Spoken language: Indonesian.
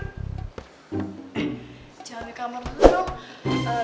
eh jalanin ke kamar lo dulu